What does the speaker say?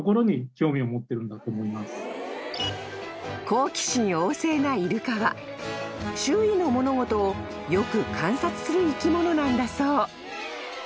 ［好奇心旺盛なイルカは周囲の物事をよく観察する生き物なんだそう］